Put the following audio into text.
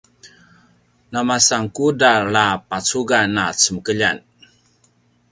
na masan kudral a pacugan na cemekemekelj